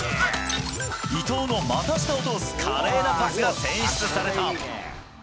伊藤の股下を通す華麗なパスが選出された。